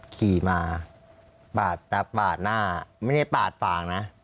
ขี่มาปาดแต่ปาดหน้าไม่ได้ปาดฝางนะ